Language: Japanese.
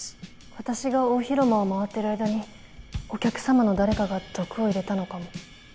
私が大広間を回ってる間にお客様の誰かが毒を入れたのかも。